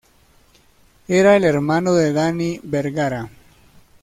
Era el hermano de Danny Bergara.